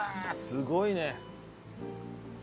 すごいね。